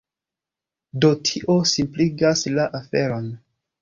Do tio simpligas la aferon.